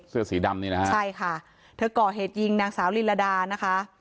เสื้อสีดำนี่นะฮะใช่ค่ะเธอก่อเหตุยิงนางสาวลิลดานะคะ